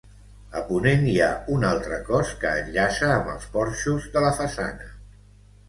A ponent hi ha un altre cos que enllaça amb els porxos de la façana.